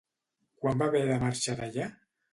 Quan va haver de marxar d'allà?